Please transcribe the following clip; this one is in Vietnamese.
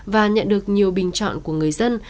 và nhận được nhiều bình chọn của người dân